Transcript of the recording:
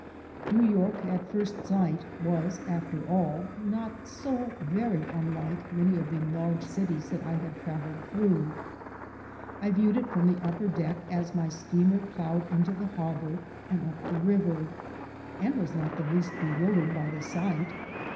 New York at first sight was, after all, not so very unlike many other large cities that I had traveled through. I viewed it from the upper deck as my steamer plowed into the harbor and up the river, and was not the least bewildered by the sight.